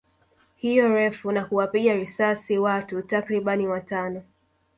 hilo refu na kuwapiga risasi watu takribani watano